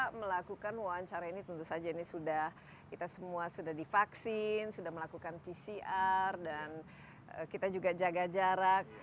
kita melakukan wawancara ini tentu saja ini sudah kita semua sudah divaksin sudah melakukan pcr dan kita juga jaga jarak